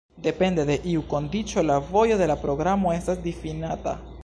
Depende de iu kondiĉo la vojo de la programo estas difinata.